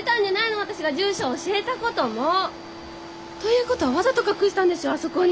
私が住所教えたことも。ということはわざと隠したんでしょあそこに。